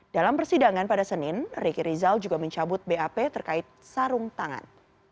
dalam persidangan pada senin ricky rizal juga mencabut bap terkait sarung tangan